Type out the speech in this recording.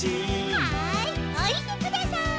はいおりてください。